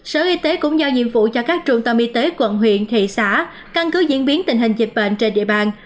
sở y tế cũng giao nhiệm vụ cho các trung tâm y tế quận huyện thị xã căn cứ diễn biến tình hình dịch bệnh trên địa bàn